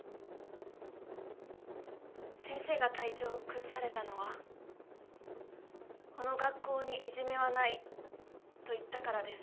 先生が体調を崩されたのは「この学校にいじめはない」と言ったからです。